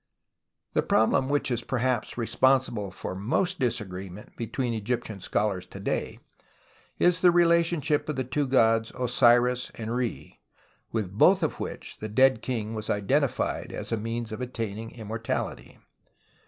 The problem which is perhaps responsible for most disagreement between Egyptian scholars to day is the relationship of the two gods Osiris and Re, Mith both of which the dead king was identified as a means of attain ing immortality.